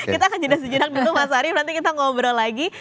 kita akan jeda sejenak dulu mas arief nanti kita ngobrol lagi